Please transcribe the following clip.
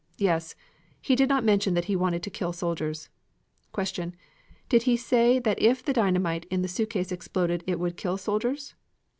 Yes he did not mention that he wanted to kill soldiers. Q. Did he say that if the dynamite in the suitcase exploded it would kill the soldiers?